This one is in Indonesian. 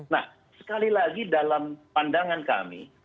nah sekali lagi dalam pandangan kami